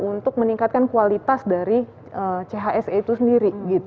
untuk meningkatkan kualitas dari chse itu sendiri